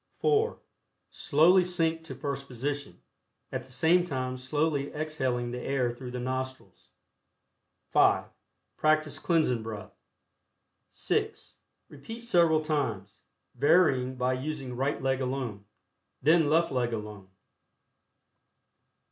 (4) Slowly sink to first position, at the same time slowly exhaling the air through the nostrils. (5) Practice Cleansing Breath. (6) Repeat several times, varying by using right leg alone, then left leg alone.